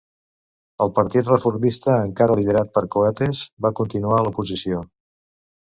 El partit reformista, encara liderat per Coates, va continuar a l'oposició.